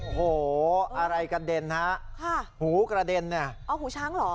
โอ้โหอะไรกระเด็นฮะค่ะหูกระเด็นเนี่ยอ๋อหูช้างเหรอ